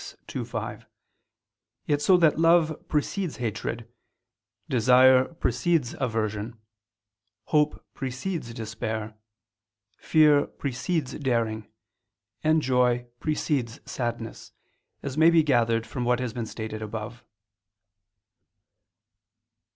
_ ii, 5: yet so that love precedes hatred; desire precedes aversion; hope precedes despair; fear precedes daring; and joy precedes sadness, as may be gathered from what has been stated above.